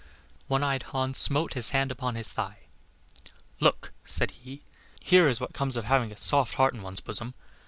One eyed Hans smote his hand upon his thigh. Look said he, "here is what comes of having a soft heart in one's bosom.